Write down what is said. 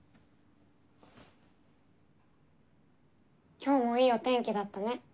今日もいいお天気だったね。